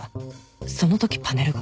そのときパネルが？